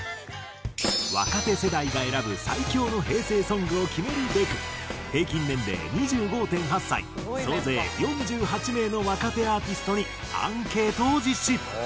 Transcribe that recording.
若手世代が選ぶ最強の平成ソングを決めるべく平均年齢２５．８歳総勢４８名の若手アーティストにアンケートを実施。